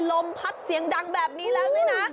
ลมพัดเสียงดังแบบนี้แล้วด้วยนะ